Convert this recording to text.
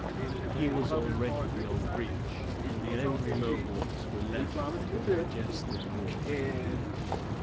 But he was already beyond reach, and the angry Mohawks were left to digest their wrath.